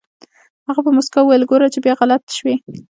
هغه په موسکا وويل ګوره چې بيا غلط شوې.